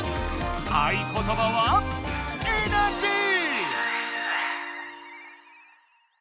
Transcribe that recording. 合いことばは「エナジー」！